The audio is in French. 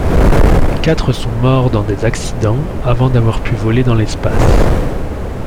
Quatre sont morts dans des accidents avant d'avoir pu voler dans l'espace.